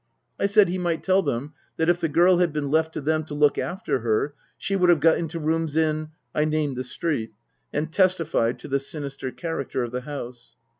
I said he might tell them that if the girl had been left to them to look after her, she would have got into rooms in I named the street, and testified to the sinister character of the house.